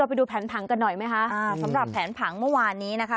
ไปดูแผนผังกันหน่อยไหมคะสำหรับแผนผังเมื่อวานนี้นะคะ